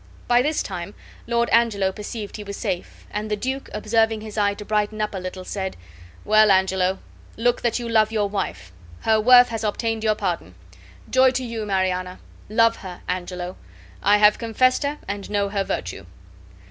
By this time Lord Angelo perceived he was safe; and the duke, observing his eye to brighten up a little, said: "Well, Angelo, look that you love your wife; her worth has obtained your pardon. Joy to you, Mariana! Love her, Angelo! I have confessed her and know her virtue."